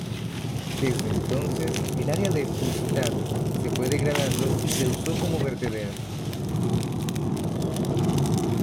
Desde entonces el área de Fustat se fue degradando y se usó como vertedero.